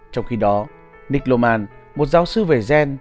trong khi đó nick loman một giáo sư về gen